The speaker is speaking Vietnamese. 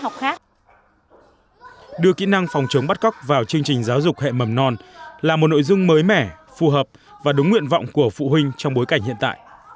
chương trình giáo dục hệ mầm non là một nội dung mới mẻ phù hợp và đúng nguyện vọng của phụ huynh trong bối cảnh hiện tại